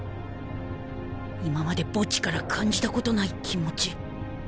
今までボッジから感じたことない気持ち